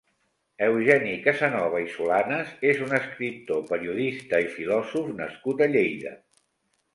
Eugeni Casanova i Solanes és un escriptor, periodista i filòsof nascut a Lleida.